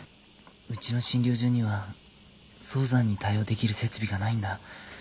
ウチの診療所には早産に対応できる設備がないんだ。